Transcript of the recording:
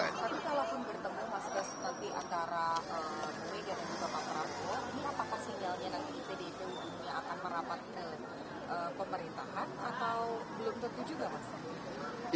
tapi kalau pun bertemu mas bes tapi antara ibu mega dan pak prabowo ini apakah sinyalnya nanti bdi perjuangan ini akan merapatkan pemerintahan atau belum tertuju gak mas